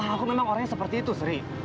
aku memang orangnya seperti itu sri